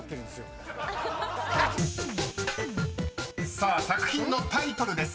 ［さあ作品のタイトルです。